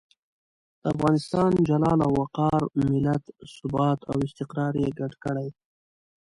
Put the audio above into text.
د افغانستان جلال او وقار، ملت ثبات او استقرار یې ګډ کړي.